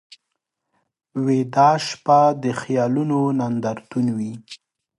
ویده شپه د خیالونو نندارتون وي